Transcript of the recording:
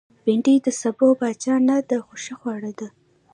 بېنډۍ د سابو پاچا نه ده، خو ښه خوړه ده